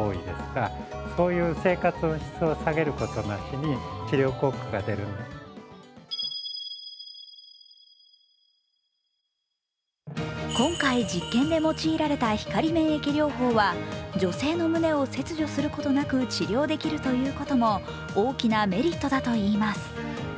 更に今回、実験で用いられた光免疫療法は、女性の胸を切除することなく治療できるということも大きなメリットだといいます。